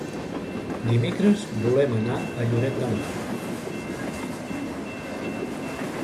Dimecres volem anar a Lloret de Mar.